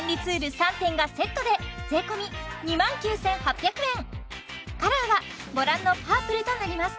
３点がセットで税込２万９８００円カラーはご覧のパープルとなります